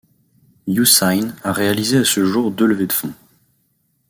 Yousign a réalisé à ce jour deux levées de fonds.